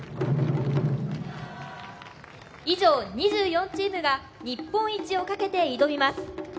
以上２４チームが日本一をかけて挑みます。